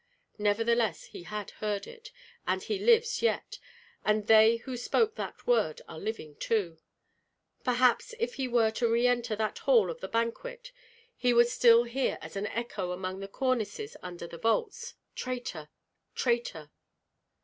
Nevertheless he had heard it, and he lives yet, and they who spoke that word are living too. Perhaps if he were to re enter that hall of the banquet he would still hear as an echo among the cornices and under the vaults, "Traitor! traitor!"